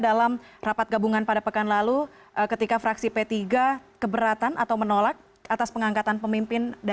dan negara kesatuan republik indonesia